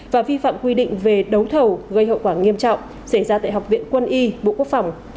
và vi phạm quy định về đấu thầu gây hậu quả nghiêm trọng xảy ra tại học viện quân y bộ quốc phòng